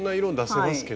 そうですね。